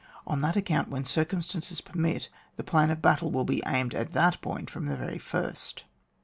On that account, when circum stances permit, the plan of the battle will be aimed at that point from the very first.